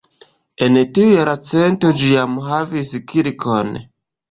En tiu jarcento ĝi jam havis kirkon.